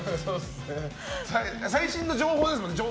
最新の情報ですもんね。